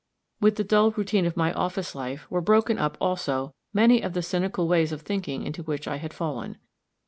With the dull routine of my office life were broken up also many of the cynical ways of thinking into which I had fallen.